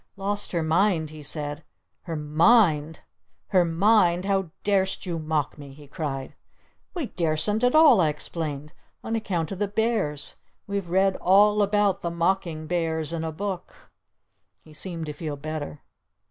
"Lost her mind?" he said. "Her mind? Her mind? How dar'st you mock me?" he cried. "We darsn't at all!" I explained. "On account of the bears! We've read all about the mocking bears in a book!" He seemed to feel better.